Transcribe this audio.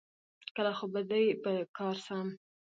کله خو به دي په کار سم